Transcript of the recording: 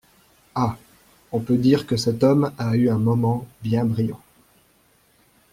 Ah ! on peut dire que cet homme a eu un moment bien brillant !